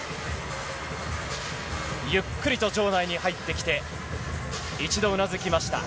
ゆっくりと場内に入ってきて、一度うなずきました。